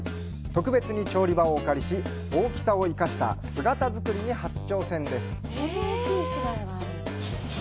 特別に調理場をお借りし、大きさを生かした姿作りに初挑戦です。